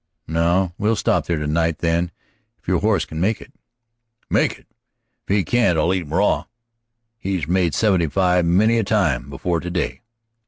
"No. We'll stop there tonight, then, if your horse can make it." "Make it! If he can't I'll eat him raw. He's made seventy five many a time before today."